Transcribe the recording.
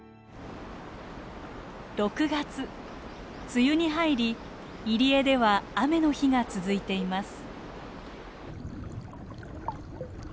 梅雨に入り入り江では雨の日が続いています。